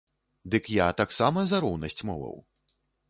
Дык я таксама за роўнасць моваў.